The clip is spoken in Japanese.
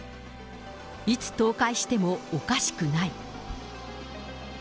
いつ倒壊してもおかしくない。